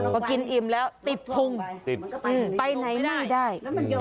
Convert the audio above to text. พอกินอิ่มแล้วติดพุงไปไหนไม่ได้